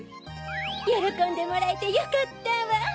よろこんでもらえてよかったわ。